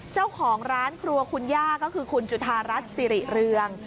เจ้าของร้านครัวคุณย่าก็คือคุณจุธารัฐสิริเรือง